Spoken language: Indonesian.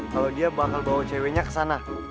kalau dia bakal bawa ceweknya kesana